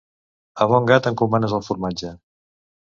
A bon gat encomanes el formatge.